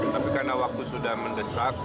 tapi karena waktu sudah mendesak